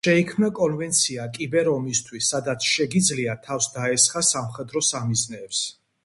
შეიქმნება კონვენცია კიბერ-ომისთვის, სადაც შეგიძლია თავს დაესხა სამხედრო სამიზნეებს.